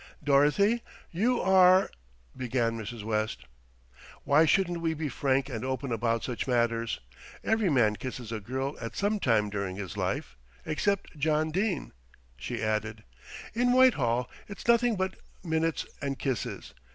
"Dorothy, you are " began Mrs. West. "Why shouldn't we be frank and open about such matters? Every man kisses a girl at some time during his life, except John Dene," she added. "In Whitehall it's nothing but minutes and kisses.